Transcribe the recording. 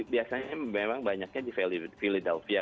biasanya memang banyaknya di philidauphia